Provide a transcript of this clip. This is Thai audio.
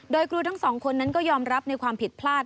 โดยครูทั้งสองคนนั้นก็ยอมรับในความผิดพลาด